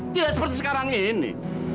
tidak seperti sekarang ini